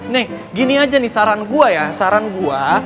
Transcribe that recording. nih gini aja nih saran gue ya saran gue